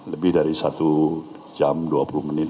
lebih dari satu jam dua puluh menit